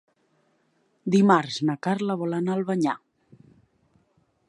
Dimarts na Carla vol anar a Albanyà.